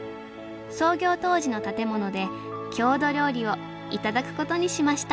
創業当時の建物で郷土料理を頂くことにしました